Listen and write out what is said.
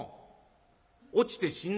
落ちて死んだのか？」。